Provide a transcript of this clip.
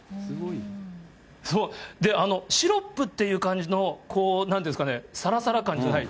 で、シロップっていう感じのなんて言うんですかね、さらさら感じゃない。